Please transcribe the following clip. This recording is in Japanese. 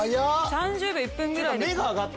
３０秒１分ぐらいで。